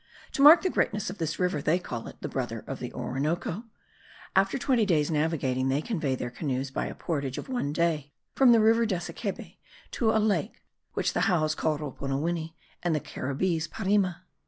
To mark the greatness of this river, they call it the brother of the Orinoco. After twenty days' navigating they convey their canoes by a portage of one day, from the river Dessekebe to a lake, which the Jaos call Roponowini, and the Caribbees Parime.